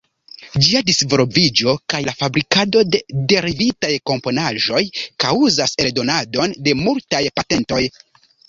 Ĝia disvolviĝo kaj la fabrikado de derivitaj komponaĵoj kaŭzas eldonadon de multaj patentoj.